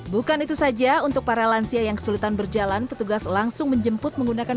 bukan itu saja untuk para lansia yang kesulitan berjalan petugas langsung menjemput menggunakan